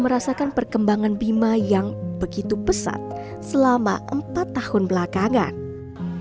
merasakan perkembangan bima yang begitu pesat selama empat tahun belakangan di terape producer